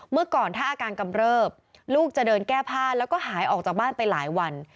เมื่อก่อนถ้าอาการกำเริบลูกจะเดินแก้ผ้าแล้วก็หายออกจากบ้านไปหลายวัน